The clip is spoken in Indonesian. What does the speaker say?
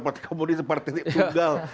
partai komunis partai tunggal